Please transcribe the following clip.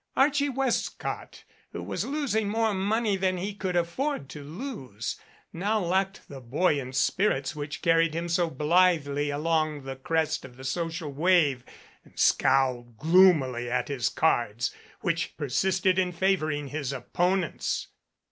Archie Westcott, who was losing more money than he could afford to lose, now 99 MADCAP lacked the buoyant spirits which carried him so blithely along the crest of the social wave and scowled gloomily at his cards which persisted in favoring his opponents.